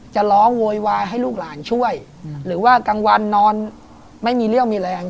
จะร้องโวยวายให้ลูกหลานช่วยหรือว่ากลางวันนอนไม่มีเรี่ยวมีแรง